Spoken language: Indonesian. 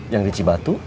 yang di cibatu